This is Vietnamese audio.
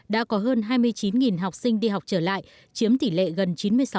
đã có hơn hai mươi chín học sinh đi học trở lại chiếm tỷ lệ gần chín mươi sáu